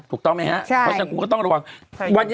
ถูกต้องไหมฮะเพราะฉะนั้น